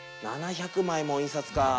７００枚も印刷かあ。